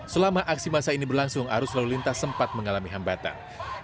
selama aksi masa ini berlangsung arus lalu lintas sempat mengalami hambatan